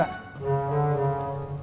jadi kamu mau ke pasar